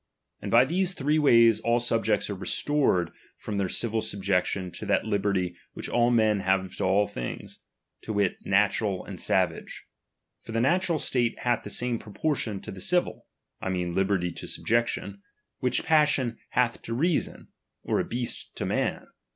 And by these ^| three ways, all subjects are restored from their ^| civil subjection to that liberty which all men have ^| to all things ; to wit, natural and savage ; for the ^| natural state hath the same proportion to the civil, ^H (I mean, liberty to subjection), which passion hath ^| to reason, or a beast to a man.